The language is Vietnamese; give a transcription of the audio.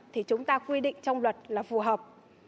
thì chúng ta quy định trong luật là phù hợp